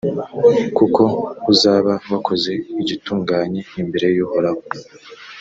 kuko uzaba wakoze igitunganye imbere y’uhoraho.